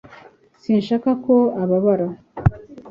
sinshaka ko ababara